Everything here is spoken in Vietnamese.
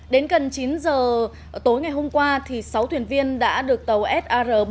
đến gần chín giờ tối ngày hôm qua sáu thuyền viên đã được tàu sar bốn trăm một mươi hai